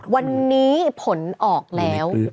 วันนี้ผลออกแล้ว